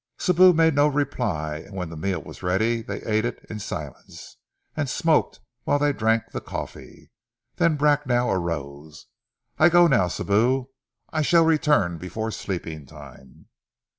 Sibou made no reply, and when the meal was ready they ate it in silence, and smoked whilst they drank the coffee. Then Bracknell arose. "I go now, Sibou. I shall return before sleeping time."